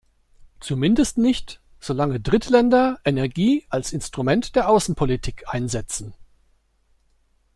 Zumindest nicht, solange Drittländer Energie als Instrument der Außenpolitik einsetzen.